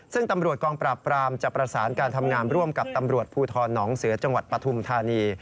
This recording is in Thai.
ซึ่งตำรวจกองปราบปรามจะประสานการทำงานร่วมกับตำรวจภูทรหนองเสือจังหวัดปฐุมธานี